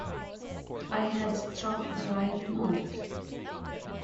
I had struck the right note.